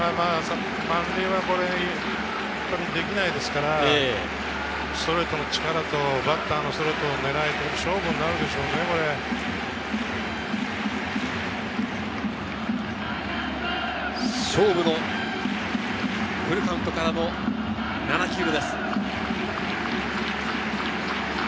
満塁はできないですから、ストレートの力と、バッターのストレートの狙いとの勝負になるで勝負のフルカウントからの７球目です。